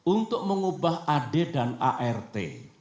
untuk mengubah ad dan art